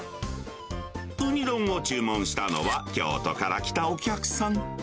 うに丼を注文したのは、京都から来たお客さん。